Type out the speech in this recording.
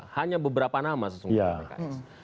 hanya beberapa nama sesungguhnya pks